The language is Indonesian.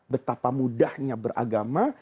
betapa mudahnya beragama